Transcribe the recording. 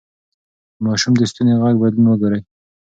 د ماشوم د ستوني غږ بدلون وګورئ.